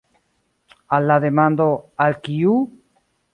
Al la demando „al kiu?